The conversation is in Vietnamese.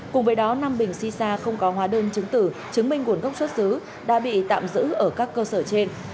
cùng với đó năm bình shisha không có hóa đơn chứng tử chứng minh nguồn gốc xuất xứ đã bị tạm giữ ở các cơ sở trên